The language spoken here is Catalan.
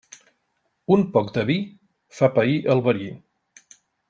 Un poc de vi fa pair el verí.